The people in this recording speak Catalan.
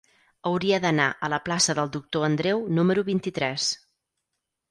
Hauria d'anar a la plaça del Doctor Andreu número vint-i-tres.